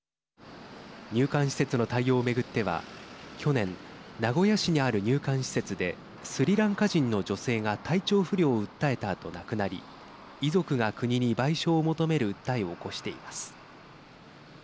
入管施設の対応を巡っては去年名古屋市にある入管施設でスリランカ人の女性が体調不良を訴えたあと亡くなり遺族が国に賠償を求める訴えを起こしています。